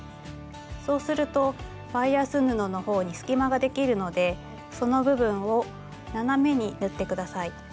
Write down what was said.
そうするとバイアス布の方に隙間ができるのでその部分を斜めに縫って下さい。